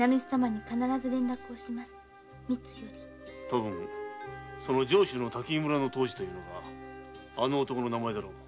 多分その「上州滝見村の藤次」というのがあの男の名前だろう。